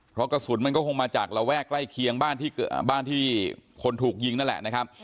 เพราะกระสุนมันก็คงมาจากระแวกใกล้เคียงบ้านที่คนถูกยิงนั่นแหละนะครับ